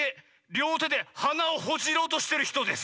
りょうてではなをほじろうとしてるひとです。